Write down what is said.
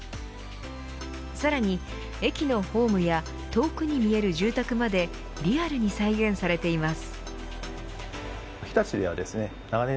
さらに駅のホームや遠くに見える住宅までリアルに再現されています。